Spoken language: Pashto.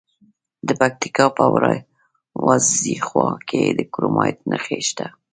د پکتیکا په وازیخوا کې د کرومایټ نښې شته.